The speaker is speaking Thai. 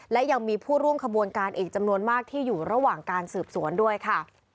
และยังมีผู้ร่วมขบวนการอีกจำนวนมากที่อยู่ระหว่างการสืบสวนด้วยค่ะ